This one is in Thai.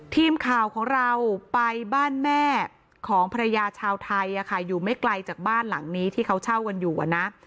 ทีมข่าวของเราไปบ้านแม่ของภรรยาชาวไทยอยู่ไม่ไกลจากบ้านหลังนี้ที่เขาเช่ากันอยู่นะ